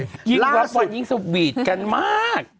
จริงยิ่งรับหวัดยิ่งสุดหวีดกันมาก